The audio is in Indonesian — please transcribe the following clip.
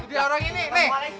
jadilah orang ini nih